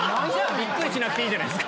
びっくりしなくていいじゃない。